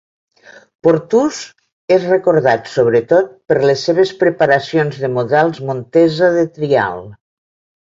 Portús és recordat sobretot per les seves preparacions de models Montesa de trial.